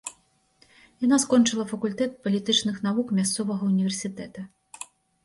Яна скончыла факультэт палітычных навук мясцовага ўніверсітэта.